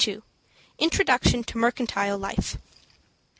INTRODUCTION TO MERCANTILE LIFE.